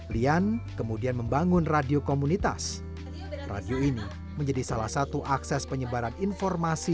lian kemudian membangun radio komunitas radio ini menjadi salah satu akses penyebaran informasi